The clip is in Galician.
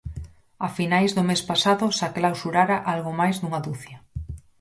A finais do mes pasado xa clausurara algo máis dunha ducia.